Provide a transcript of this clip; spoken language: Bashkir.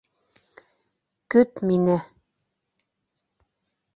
Көт мине...